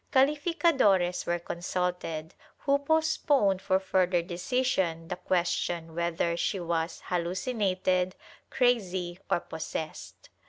CaUficadores were consulted, who postponed for further decision the question whether she was hallucinated, crazy, or possessed.